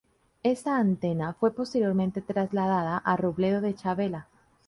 Esta antena fue posteriormente trasladada a Robledo de Chavela.